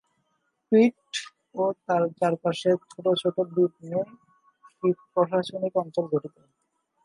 ক্রিট ও তার চারপাশের ছোট ছোট দ্বীপ নিয়ে ক্রিট প্রশাসনিক অঞ্চল গঠিত।